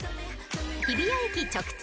［日比谷駅直通］